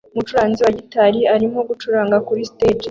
Umucuranzi wa gitari arimo gucuranga kuri stage